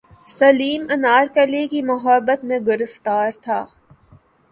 سلیم انارکلی کی محبت میں گرفتار تھا